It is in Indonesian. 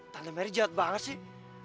tante mary jahat banget sih